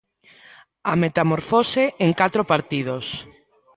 A metamorfose en catro partidos.